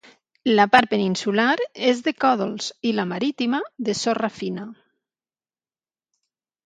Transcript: La part peninsular és de còdols i la marítima, de sorra fina.